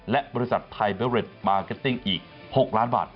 และบริษัทไทยเบเรดมาร์เก็ตติ้งอีก๖ล้านบาท